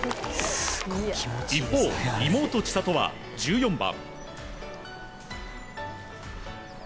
一方、妹・千怜は１４番。